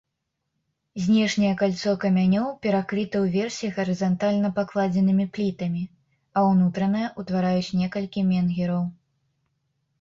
Знешняе кальцо камянёў перакрыта ўверсе гарызантальна пакладзенымі плітамі, а ўнутранае ўтвараюць некалькі менгіраў.